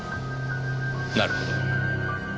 なるほど。